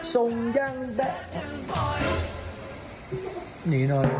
หนีนอน